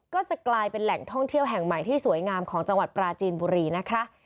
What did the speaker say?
ก็จะกลายเป็นแหล่งท่องเที่ยวแห่งใหม่ที่สวยงามของจังหวัดปราจีนบุรีนะคะ